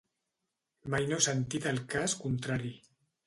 Mai no he sentit el cas contrari.